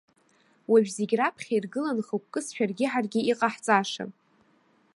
Уажә зегь раԥхьа иргылан хықәкыс шәаргьы ҳаргьы иҟаҳҵаша.